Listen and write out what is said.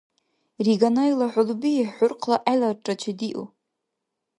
Риганайла хӀулби ХӀурхъла гӀеларра чедиу.